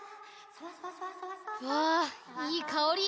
わあいいかおり！